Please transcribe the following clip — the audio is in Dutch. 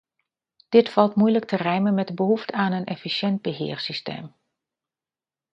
Dit valt moeilijk te rijmen met de behoefte aan een efficiënt beheersysteem.